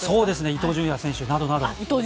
伊東純也選手などなど。